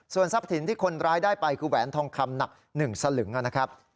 ส่วนทรัพย์สินที่คนร้ายได้ไปคือแหวนทองคำหนัก๑สลึงนะครับ